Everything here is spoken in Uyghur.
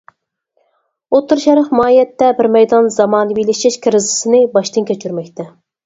ئوتتۇرا شەرق ماھىيەتتە بىر مەيدان زامانىۋىلىشىش كىرىزىسىنى باشتىن كەچۈرمەكتە.